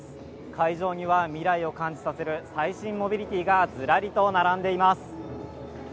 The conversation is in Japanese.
会場には未来を感じさせる最新モビリティーがズラリと並んでいます。